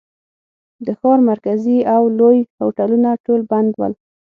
د ښار مرکزي او لوی هوټلونه ټول بند ول.